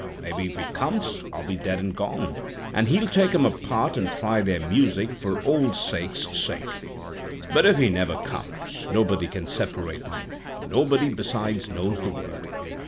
Maybe, if he comes, I'll be dead an' gone, and he'll take 'em apart an' try their music for old sake's sake. But if he never comes, nobody can separate 'em; for nobody besides knows the word.